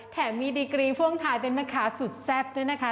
แถมมีดิกลิฟวงทายเป็นเมางขาสุดแซ่งด้วยนะคะ